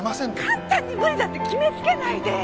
簡単に無理だって決めつけないで！